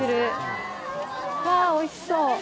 おいしそう！